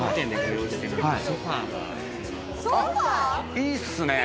いいっすね。